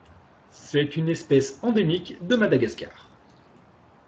C'est une espèce endémique de Madagascar.